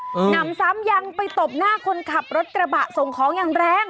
หนำซ้ำยังไปตบหน้าคนขับรถกระบะส่งของอย่างแรง